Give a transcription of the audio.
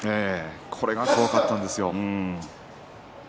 これが怖かったんですよ。